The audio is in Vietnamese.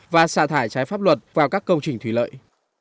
và xả thải trái pháp luật vào các công trình thủy lợi